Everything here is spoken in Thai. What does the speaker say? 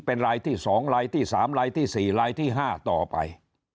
เป็นรายที่๒ลายที่๓ลายที่๔ลายที่๕ต่อไป